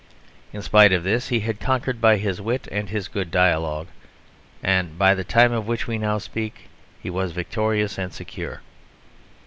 In spite of this he had conquered by his wit and his good dialogue; and by the time of which we now speak he was victorious and secure.